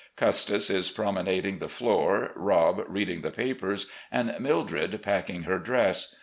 Custis is promenading the floor, Rob reading the papers, and Mildred packing her dress.